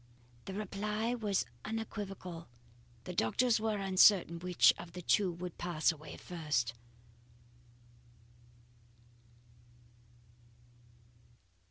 "The reply was unequivocal. The doctors were uncertain which of the two would pass away first.